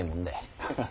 ハハハ。